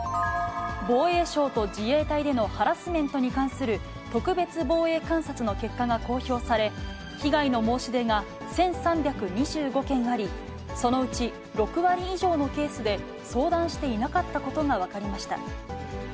防衛省と自衛隊でのハラスメントに関する特別防衛監察の結果が公表され、被害の申し出が１３２５件あり、そのうち６割以上のケースで、相談していなかったことが分かりました。